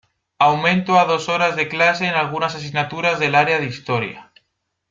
Aumento a dos horas de clase en algunas asignaturas del área de Historia.